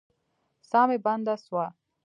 ساه مي بنده سوه.